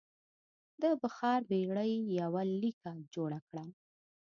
د بخار بېړۍ یوه لیکه جوړه کړه.